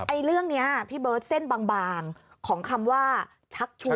เรื่องนี้พี่เบิร์ตเส้นบางของคำว่าชักชวน